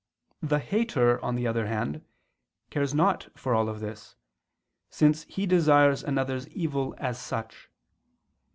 The hater, on the other hand, cares not for all this, since he desires another's evil as such.